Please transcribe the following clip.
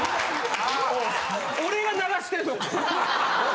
俺が流してるのか？